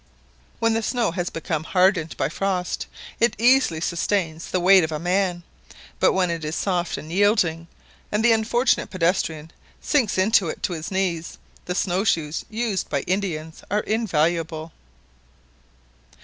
When the snow has become hardened by frost, it easily sustains the weight of a man; but when it is soft and yielding, and the unfortunate pedestrian sinks into it up to his knees, the snow shoes used by Indians are invaluable.